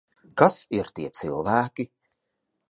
Kas ir tie cilvēki?